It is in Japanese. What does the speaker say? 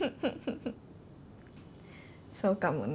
そうかもね。